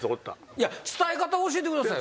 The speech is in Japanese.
いや伝え方教えてくださいよ。